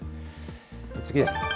次です。